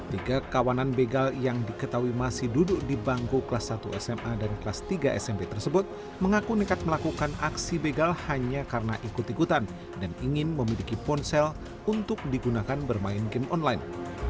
tiga kawanan begal yang diketahui masih duduk di bangku kelas satu sma dan kelas tiga smp tersebut mengaku nekat melakukan aksi begal hanya karena ikut ikutan dan ingin memiliki ponsel untuk digunakan bermain game online